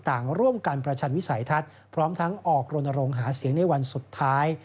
ต่างร่วมกันประชันวิสัยทัศน์พร้อมทั้งออกรณรงค์หาเสียงในวันสุดท้าย